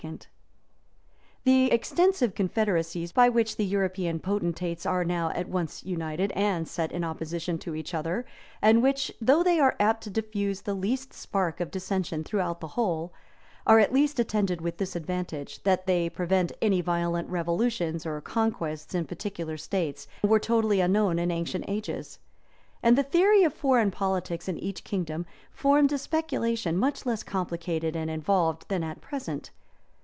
{1154.} The extensive confederacies, by which the European potentates are now at once united and set in opposition to each other, and which, though they are apt to diffuse the least spark of dissension throughout the whole, are at least attended with this advantage, that they prevent any violent revolutions or conquests in particular states, were totally unknown in ancient ages; and the theory of foreign politics in each kingdom formed a speculation much less complicated and involved than at present.